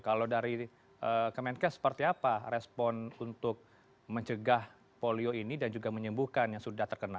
kalau dari kemenkes seperti apa respon untuk mencegah polio ini dan juga menyembuhkan yang sudah terkena